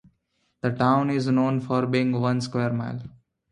The Town is known for being one square mile.